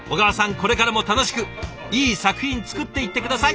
これからも楽しくいい作品作っていって下さい。